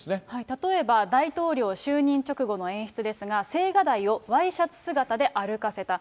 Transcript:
例えば、大統領就任直後の演出ですが、青瓦台をワイシャツ姿で歩かせた。